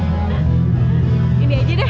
ini aja deh